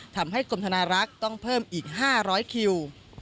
ทำให้กรมธนารักษ์ต้องเพิ่มอีก๕๐๐คิว